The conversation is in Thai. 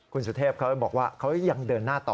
คุณสุเทพเขาบอกว่าเขายังเดินหน้าต่อ